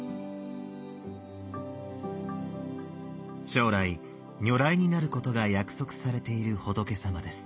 将来如来になることが約束されている仏様です。